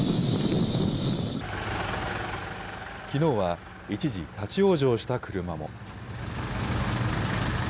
きのうは、一時立往生した車も。